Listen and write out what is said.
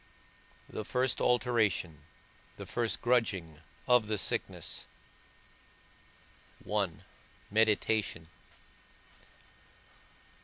The first Alteration, the first Grudging, of the Sickness. I. MEDITATION.